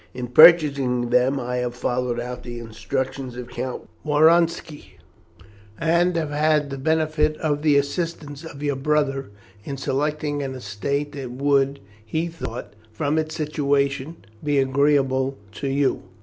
In purchasing them I have followed out the instructions of Count Woronski, and have had the benefit of the assistance of your brother in selecting an estate that would, he thought, from its situation, be agreeable to you."